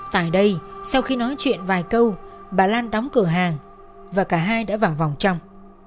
tại đây sau khi nói chuyện vài câu bà lan đóng cửa hàng và cả hai đã vào vòng trong